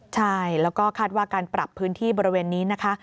ใช่แล้วก็คาดว่าการปรับพื้นที่บริเวณนี้นะคะ